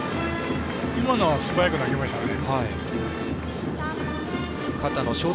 今のは素早く投げましたね。